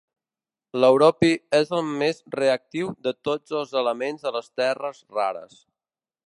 L'europi és el més reactiu de tots els elements de les terres rares.